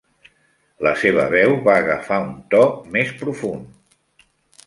La seva veu va agafar un to més profund.